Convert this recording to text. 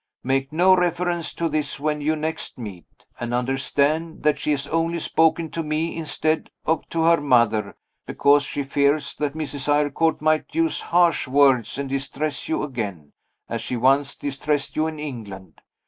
Make no reference to this when you next meet; and understand that she has only spoken to me instead of to her mother, because she fears that Mrs. Eyrecourt might use harsh words, and distress you again, as she once distressed you in England.